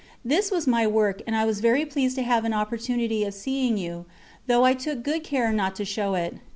This was my work, and I was very pleased to have an opportunity of seeing you, though I took good care not to show it.